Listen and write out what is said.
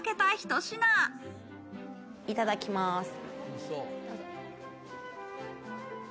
いただきます。